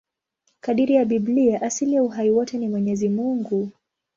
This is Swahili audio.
Kadiri ya Biblia, asili ya uhai wote ni Mwenyezi Mungu.